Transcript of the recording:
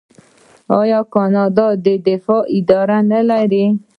آیا کاناډا د دفاع اداره نلري؟